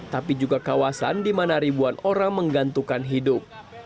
tapi juga kawasan di mana ribuan orang menggantungkan hidup